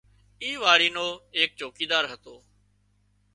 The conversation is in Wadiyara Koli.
اي واڙي نو ايڪ چوڪيدار هتو